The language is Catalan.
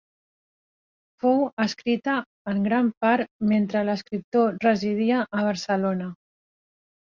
Fou escrita en gran part mentre l'escriptor residia a Barcelona.